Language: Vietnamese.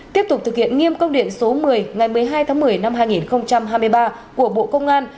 tiếp tục thực hiện nghiêm công điện số một mươi ngày một mươi hai tháng một mươi năm hai nghìn hai mươi ba của bộ công an